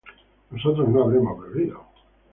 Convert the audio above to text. nosotros no habremos bebido